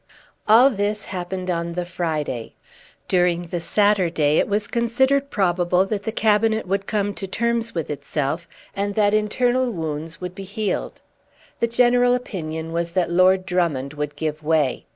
All this happened on the Friday. During the Saturday it was considered probable that the Cabinet would come to terms with itself, and that internal wounds would be healed. The general opinion was that Lord Drummond would give way.